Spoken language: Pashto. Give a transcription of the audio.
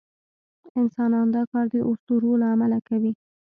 انسانان دا کار د اسطورو له امله کوي.